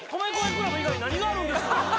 ＣＬＵＢ以外何があるんですか？